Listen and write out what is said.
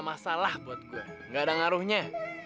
masalah buat gue gak ada ngaruhnya